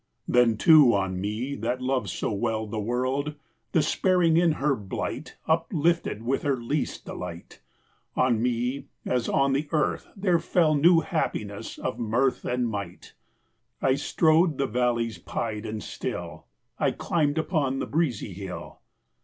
Then, too, on me that loved so well The world, despairing in her blight, Uplifted with her least delight, On me, as on the earth, there fell New happiness of mirth and might; I strode the valleys pied and still; I climbed upon the breezy hill.